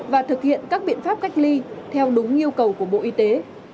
và thực hiện các biện pháp cách ly theo đúng yêu cầu của bộ y tế